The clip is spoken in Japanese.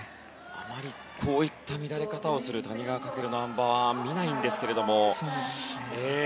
あまりこういった乱れ方をする谷川翔のあん馬は見ないんですけども。